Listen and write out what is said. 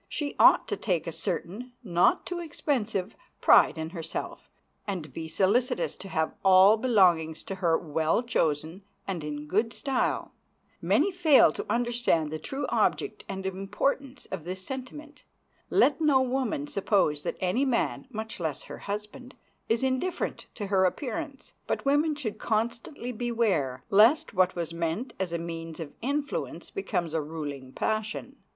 She ought to take a certain, not too expensive, pride, in herself, and be solicitous to have all belonging to her well chosen and in good style. Many fail to understand the true object and importance of this sentiment. Let no woman suppose that any man, much less her husband, is indifferent to her appearance. But women should constantly beware lest what was meant as a means of influence becomes a ruling passion.